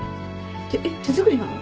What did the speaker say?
えっ手作りなの？